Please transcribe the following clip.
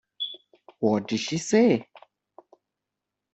What did she say?